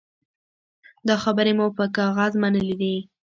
دا خبرې مو پر کاغذ منلي دي.